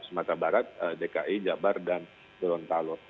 sumatera barat dki jabar dan gorontalo